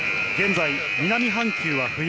現在、南半球は冬。